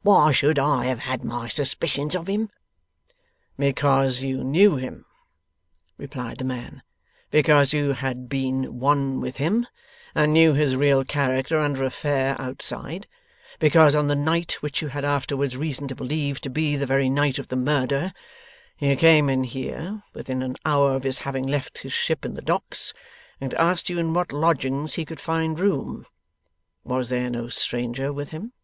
Why should I have had my suspicions of him?' 'Because you knew him,' replied the man; 'because you had been one with him, and knew his real character under a fair outside; because on the night which you had afterwards reason to believe to be the very night of the murder, he came in here, within an hour of his having left his ship in the docks, and asked you in what lodgings he could find room. Was there no stranger with him?